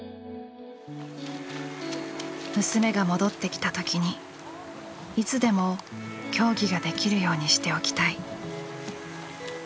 「娘が戻って来た時にいつでも競技ができるようにしておきたい」。